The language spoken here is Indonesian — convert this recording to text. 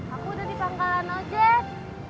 aku udah di pangkalan ojek